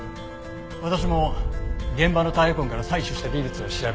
私も現場のタイヤ痕から採取した微物を調べます。